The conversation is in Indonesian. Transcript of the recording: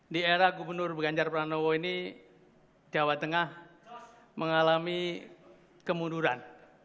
di era gubernur ganjar pranowo ini jawa tengah mengalami kemunduran